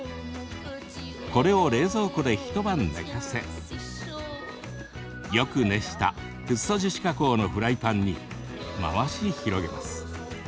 これを冷蔵庫で一晩寝かせよく熱したフッ素樹脂加工のフライパンに回し広げます。